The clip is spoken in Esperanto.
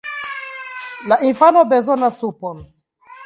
La infano bezonas supon!